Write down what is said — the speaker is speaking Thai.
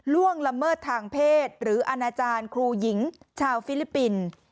ล่วงละเมิดทางเพศหรืออาณาจารย์ครูหญิงชาวฟิลิปปินส์